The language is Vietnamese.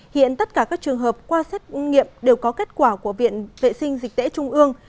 hiện tất cả các trường hợp qua xét nghiệm đều có kết quả của viện vệ sinh dịch tễ trung ương